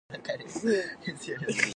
やあ！みんな